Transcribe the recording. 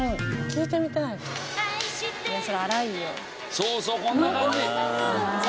そうそうこんな感じ。